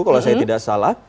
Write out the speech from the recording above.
kalau saya tidak salah